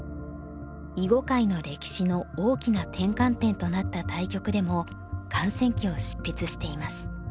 囲碁界の歴史の大きな転換点となった対局でも観戦記を執筆しています。